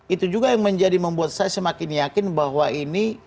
itu juga yang menjadi membuat saya semakin yakin bahwa ini